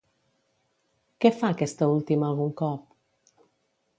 Què fa aquesta última algun cop?